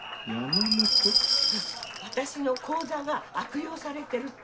私の口座が悪用されてるって。